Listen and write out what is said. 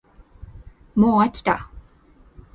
もうあきた